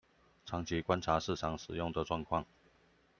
長期觀察市場使用的狀況